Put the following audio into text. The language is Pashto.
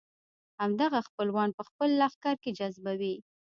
همدغه خپلوان په خپل لښکر کې جذبوي.